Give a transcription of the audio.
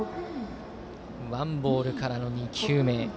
ワンボールからの２球目。